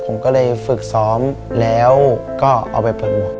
ผมก็เลยฝึกซ้อมแล้วก็เอาไปโปรโมท